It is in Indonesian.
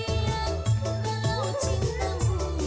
untuk apa kau berikan